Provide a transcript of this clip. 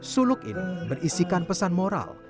suluk ini berisikan pesan moral